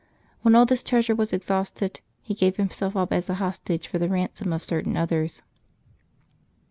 When all this treasure was exhausted, he gave himself up as a hostage for the ransom of certain others.